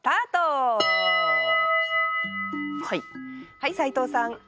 はい斉藤さん。